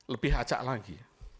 lebih acak lagi